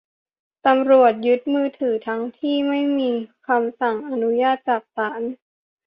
ตำรวจยึดมือถือทั้งที่ไม่มีคำสั่งอนุญาตจากศาล